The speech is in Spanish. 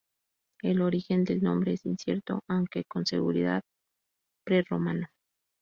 El origen del nombre es incierto, aunque con seguridad prerromano.